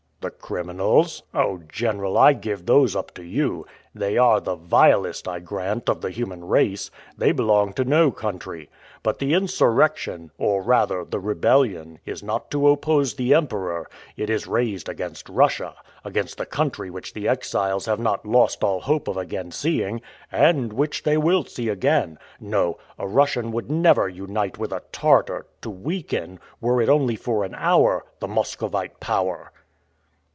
"The criminals? Oh, General, I give those up to you! They are the vilest, I grant, of the human race. They belong to no country. But the insurrection, or rather, the rebellion, is not to oppose the emperor; it is raised against Russia, against the country which the exiles have not lost all hope of again seeing and which they will see again. No, a Russian would never unite with a Tartar, to weaken, were it only for an hour, the Muscovite power!"